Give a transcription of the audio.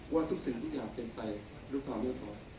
ว่าทุกสิ่งทุกอย่างเป็นไปด้วยความเรียบร้อย